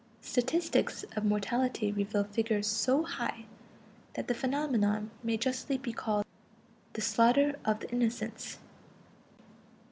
Statistics of mortality reveal figures so high that the phenomenon may justly be called the "Slaughter of the Innocents."